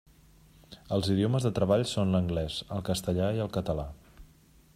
Els idiomes de treball són l'anglès, el castellà i el català.